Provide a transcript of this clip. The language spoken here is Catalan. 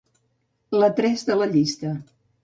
La tres de la llista.